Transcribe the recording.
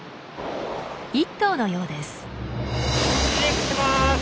１頭のようです。